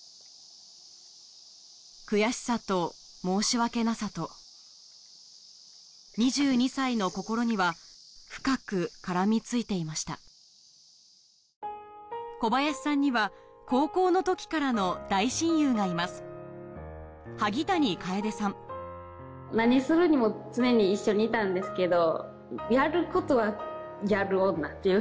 悔しさと申し訳なさと２２歳の心には深く絡みついていました小林さんには高校の時からの大親友がいます萩谷楓さん何するにも常に一緒にいたんですけど。